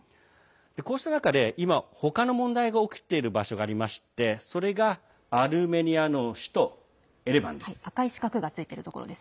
こうした中で、今他の問題が起きている場所がありましてそれがアルメニアの首都エレバンです。